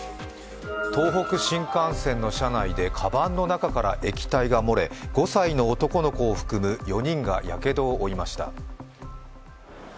東北新幹線の車内でかばんの中から液体が漏れ５歳の男の子を含む４人がやけどを負いました。